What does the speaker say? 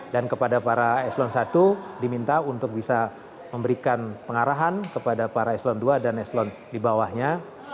dan kepada para eslon satu diminta untuk bisa memberikan pengarahan kepada para eslon dua dan eslon di bawahnya